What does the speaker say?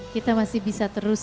kita masih bisa terus